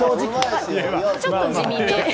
ちょっと地味で。